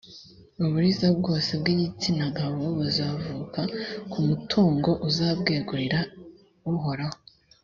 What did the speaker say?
uburiza bwose bw’igitsinagabo buzavuka ku matungo uzabwegurira uhoraho